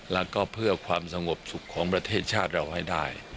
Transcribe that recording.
แล้วก็เพื่อความสงบสุขของประเทศชาติเราให้ได้